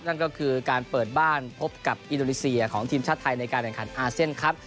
นั่นก็คือการเปิดบ้านพบกับอินโดนีเซียของทีมชาติไทยในการแข่งขันอาเซียนครับ